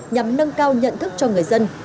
nhằm nâng cao nhận thức cho người dân